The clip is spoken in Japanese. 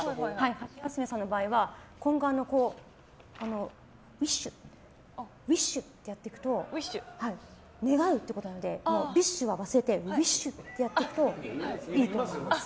ハシヤスメさんの場合はウィッシュ！ってやっていくと願うってことなのでＢｉＳＨは忘れてウィッシュ！ってやっていくといいと思います。